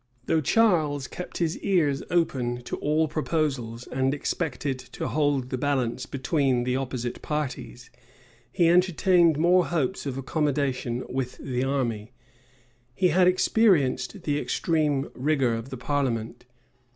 Though Charles kept his ears open to all proposals, and expected to hold the balance between the opposite parties, he entertained more hopes of accommodation with the army. He had experienced the extreme rigor of the parliament.